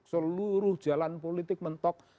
seluruh jalan politik mentok